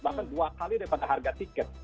bahkan dua kali daripada harga tiket